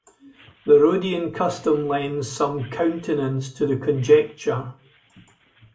The Rhodian custom lends some countenance to the conjecture.